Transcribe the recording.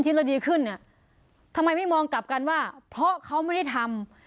ที่เราดีขึ้นเนี่ยทำไมไม่มองกลับกันว่าเพราะเขาไม่ได้ทำ